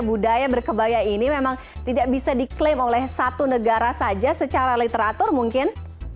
budaya berkebaya ini memang tidak bisa diklaim oleh satu negara saja secara literatur mungkin